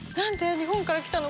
日本から来たの？